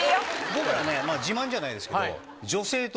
僕ら自慢じゃないですけど。